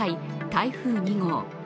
台風２号。